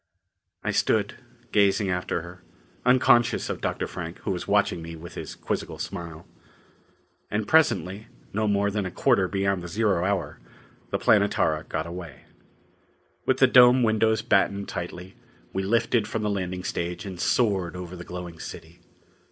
I stood, gazing after her, unconscious of Dr. Frank, who was watching me with his quizzical smile. And presently, no more than a quarter beyond the zero hour, the Planetara got away. With the dome windows battened tightly, we lifted from the landing stage and soared over the glowing city.